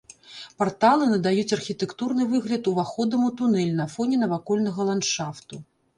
Парталы надаюць архітэктурны выгляд уваходам у тунэль на фоне навакольнага ландшафту.